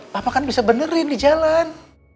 papa kan bisa benerin di jalan